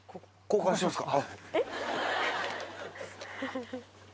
交換しますか？